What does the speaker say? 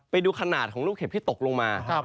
ไปดูขนาดของลูกเห็บที่ตกลงมา